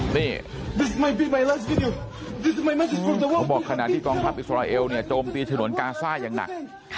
เขาบอกขนาดที่กล้องครับอิสราเอลโจมตีถนนกาซ่าอย่างหนัก